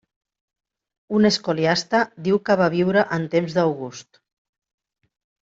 Un escoliasta diu que va viure en temps d'August.